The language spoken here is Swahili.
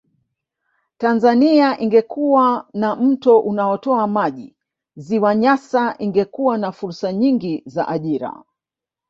Tanzania ingekuwa na mto unaotoa maji ziwa Nyasa ingekuwa na fursa nyingi za ajira